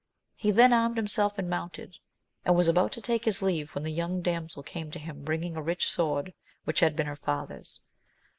He then armed himself and mounted, and was about to take his leave, when the young damsel came to him, bringing a rich sword which had been her father's.